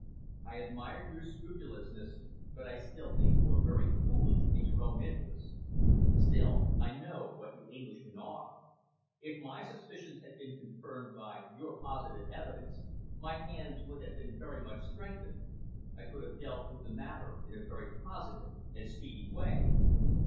"I admire your scrupulousness, but I still think you are very foolish in your own interests. Still, I know what you Englishmen are. If my suspicions had been confirmed by your positive evidence, my hands would have been very much strengthened. I could have dealt with the matter in a very positive and speedy way."